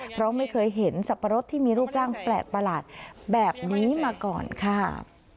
เพราะไม่เคยเห็นสับปะรดที่มีรูปร่างแปลกประหลาดแบบนี้มาก่อนค่ะ